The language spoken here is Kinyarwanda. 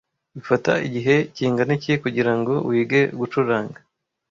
Bifata igihe kingana iki kugirango wige gucuranga